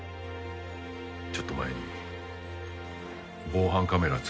ちょっと前に防犯カメラつけとったんやてえ。